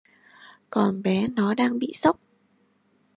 Còn bé nó đang bị sốc